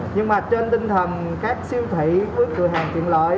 nhưng mà trên tinh thần các siêu thị với cửa hàng tiện lợi